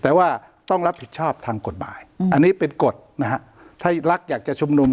แต่ว่าต้องรับผิดชอบทางกฎหมายอันนี้เป็นกฎนะฮะถ้ารักอยากจะชุมนุม